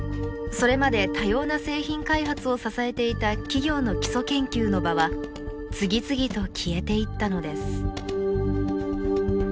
それまで多様な製品開発を支えていた企業の基礎研究の場は次々と消えていったのです。